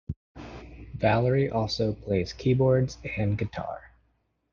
Valory also plays keyboards and guitar.